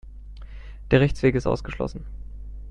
Der Rechtsweg ist ausgeschlossen.